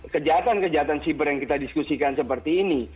kejahatan kejahatan siber yang kita diskusikan seperti ini